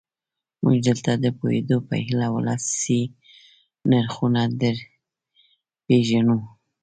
موږ دلته د پوهېدو په هیله ولسي نرخونه درپېژنو.